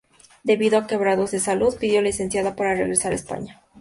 Debido a quebrantos de salud pidió licencia para regresar a España.